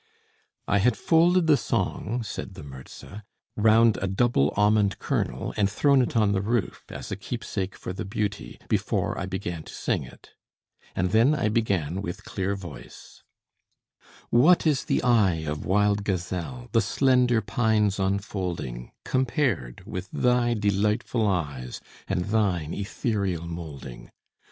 "I had folded the song," said the Mirza, "round a double almond kernel, and thrown it on the roof, as a keepsake for the Beauty, before I began to sing it; and then I began with clear voice: "What is the eye of wild gazelle, the slender pine's unfolding, Compared with thy delightful eyes, and thine ethereal molding?